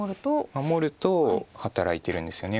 守ると働いてるんですよね